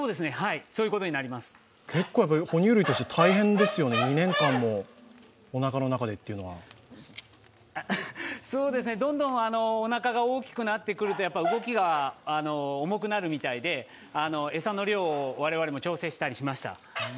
哺乳類として大変ですよね、２年間もおなかの中でというのは。どんどんおなかが大きくなってくると動きが重くなるみたいで餌の量を我々も調整したりしました。